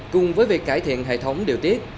cùng với việc cải thiện hệ thống điều tiết